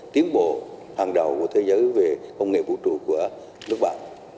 tiến bộ hàng đầu của thế giới về công nghệ vũ trụ của nước bạn